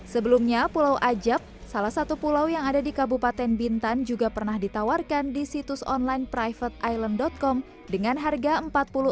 sebelumnya pulau ajab salah satu pulau yang ada di kabupaten bintan juga pernah ditawarkan di situs online privateisland com dengan harga empat puluh empat miliar rupiah